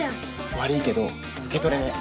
悪いけど受け取れねえ。